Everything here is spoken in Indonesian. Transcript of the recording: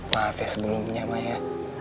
maaf ya sebelumnya ma ya